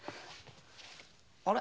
あれ？